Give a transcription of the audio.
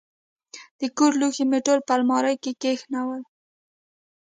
د کور لوښي مې ټول په المارۍ کې کښېنول.